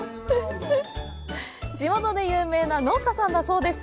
地元で有名な農家さんだそうです。